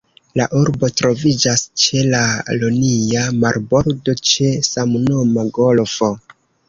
La urbo troviĝas ĉe la Ionia marbordo, ĉe samnoma golfo.